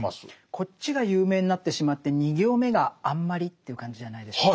こっちが有名になってしまって２行目があんまりという感じじゃないでしょうか。